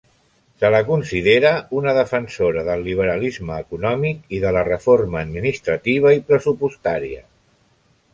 Se la considera una defensora del liberalisme econòmic i de la reforma administrativa i pressupostària.